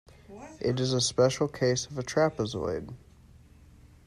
It is a special case of a trapezoid.